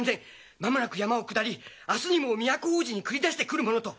間もなく山を下り明日にも都大路に繰り出してくるものと。